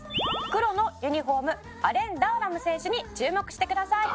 「黒のユニホームアレン・ダーラム選手に注目してください」